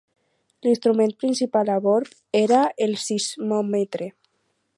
L'instrument principal a bord era el sismòmetre.